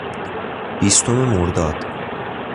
بیستم مرداد